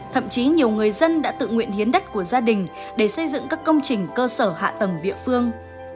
thậm chí nhiều người dân đã tự nguyện hiến đất của gia đình để xây dựng các công trình cơ sở hạ tầng địa phương